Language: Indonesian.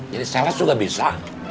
jadi sales juga bisa